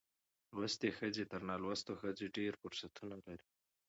لوستې ښځې تر نالوستو ښځو ډېر فرصتونه لري.